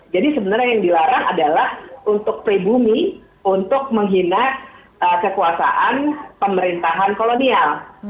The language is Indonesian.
jadi sebenarnya yang dilarang adalah untuk pribumi untuk menghina kekuasaan pemerintahan kolonial